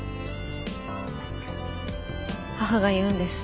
母が言うんです。